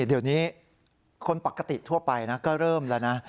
เดี๋ยวนี้คนปกติทั่วไปนะก็เริ่มแล้วนะ